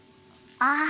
ああ。